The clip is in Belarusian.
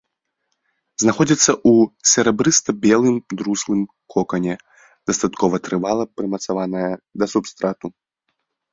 Знаходзіцца ў серабрыста-белым друзлым кокане, дастаткова трывала прымацаваная да субстрату.